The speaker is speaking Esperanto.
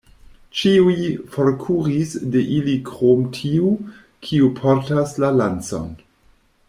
Ĉiuj forkuris de ili krom tiu, kiu portas la lancon.